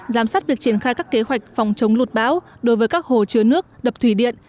giám sát việc triển khai các kế hoạch phòng chống lụt bão đối với các hồ chứa nước đập thủy điện